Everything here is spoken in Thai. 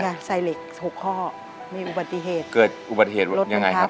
ใส่เหล็กหกข้อมีอุบัติเหตุเกิดอุบัติเหตุยังไงครับ